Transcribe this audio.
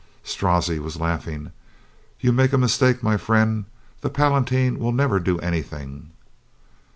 Strozzi was laughing. "You make a mistake, my friend. The Palatine will never do anything."